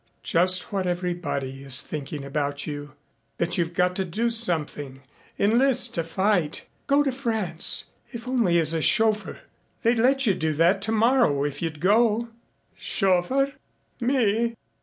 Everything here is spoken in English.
"Just what everybody is thinking about you that you've got to do something enlist to fight go to France, if only as a chauffeur. They'd let you do that tomorrow if you'd go." "Chauffeur! Me!